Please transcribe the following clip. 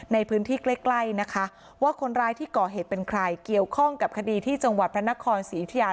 ในพื้นที่ใกล้ใกล้นะคะว่าคนร้ายที่ก่อเหตุเป็นใครเกี่ยวข้องกับคดีที่จังหวัดพระนครศรียุธิยา